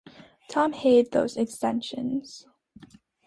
Tom hated those extensions.